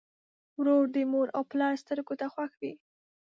ورور د مور او پلار سترګو ته خوښ وي.